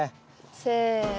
せの。